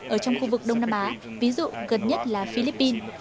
ở trong khu vực đông nam á ví dụ gần nhất là philippines